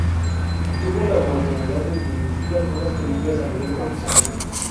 Tuvo la oportunidad de dirigir algunas películas a nivel profesional.